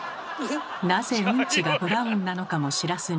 なぜうんちがブラウンなのかも知らずに。